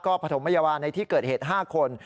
ประถมพยาบาลในที่เกิดเหตุ๕คน